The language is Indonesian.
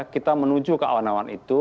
kita menuju ke awan awan itu